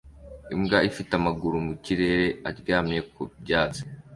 Imbwa ifite amaguru mu kirere aryamye ku byatsi